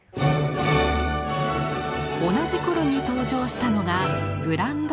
同じ頃に登場したのが「グランド・オペラ」。